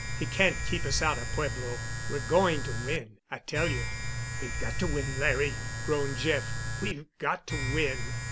He can't keep us out of Pueblo. We're going to win, I tell you." "We've got to win, Larry," groaned Jeff. "We've got to win.